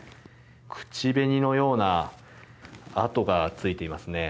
口紅のような跡がついていますね。